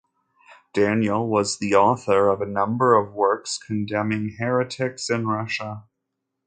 Daniel was the author of a number of works, condemning heretics in Russia.